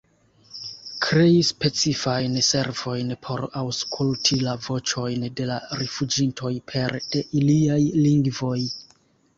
Krei specifajn servojn por aŭskulti la voĉojn de la rifuĝintoj pere de iliaj lingvoj.